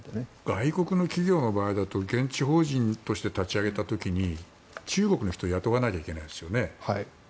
外国の企業の場合だと現地法人として立ち上げた時に中国の人を雇わなきゃいけないですよね。